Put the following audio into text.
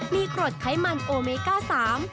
มีกรดไขมันโอเมก้าสาม